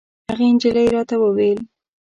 هغې نجلۍ راته ویل.